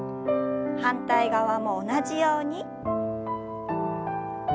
反対側も同じように。